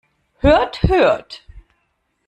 Hört, hört!